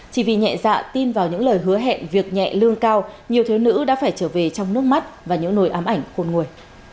chỉ vì nhẹ dạ tin vào những lời hứa hẹn việc nhẹ lương cao nhiều thiếu nữ đã phải trở về trong nước mắt và những nội ám ảnh khôn nguồi